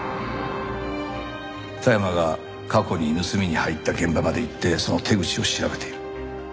田山が過去に盗みに入った現場まで行ってその手口を調べている。